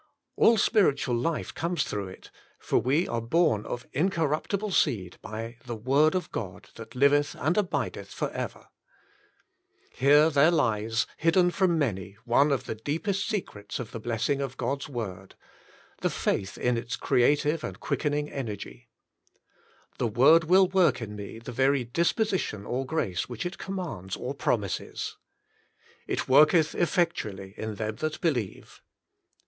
All spiritual life comes through it, for we are born of incor ruptible seed by the word of God that liveth and abideth for ever. 37 38 The Inner Chamber Here there lies, hidden from many, one of the deepest secrets of the blessing of God's word — the faith in its creative and quickening energy. The Word Will Work in Me the Very Disposition OR Grace Which it Commands or Promises. ^'It worketh effectually in them that believe."